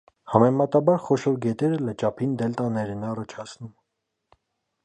Համեմատաբար խոշոր գետերը լճափին դելտաներ են առաջացնում։